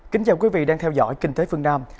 kính chào quý vị đang theo dõi kinh tế phương nam